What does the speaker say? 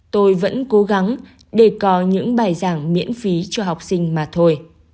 tôi vẫn cố gắng để có những bài giảng miễn phí cho học sinh mà thôi